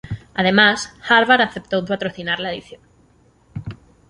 Además, Harvard aceptó patrocinar la edición.